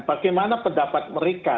bagaimana pendapat mereka